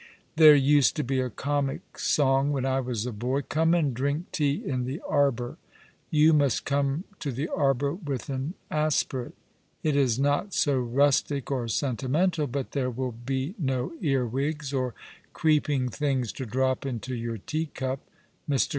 There used to be a comic song when I was a boy —* Come and drink tea in the arbour.' You must come to the arbour with an aspirate. It is not so rustic or sentimental — but there will be no earwigs or creeping things to drop into your teacup. Mr.